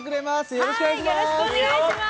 よろしくお願いします